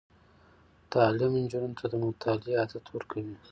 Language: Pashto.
تعلیم نجونو ته د مطالعې عادت ورکوي.